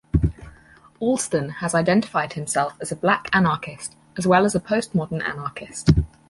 Alston has identified himself as a black anarchist as well as a postmodern anarchist.